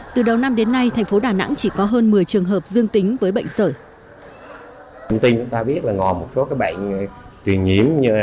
từ đầu năm đến nay thành phố đà nẵng chỉ có hơn một mươi trường hợp dương tính với bệnh sởi